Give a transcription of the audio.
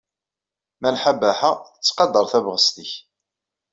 Malḥa Baḥa tettqadar tabɣest-nnek.